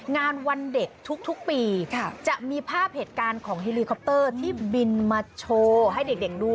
วันเด็กทุกปีจะมีภาพเหตุการณ์ของเฮลีคอปเตอร์ที่บินมาโชว์ให้เด็กดู